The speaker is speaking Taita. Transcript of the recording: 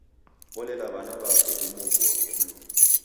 Olela w'ana w'ape w'imuobuoghe Mlungu.